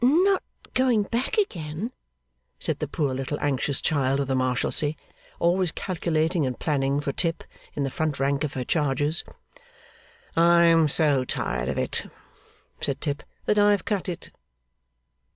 'Not going back again?' said the poor little anxious Child of the Marshalsea, always calculating and planning for Tip, in the front rank of her charges. 'I am so tired of it,' said Tip, 'that I have cut it.